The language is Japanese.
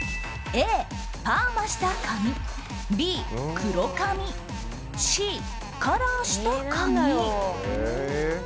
Ａ、パーマした髪Ｂ、黒髪Ｃ、カラーした髪。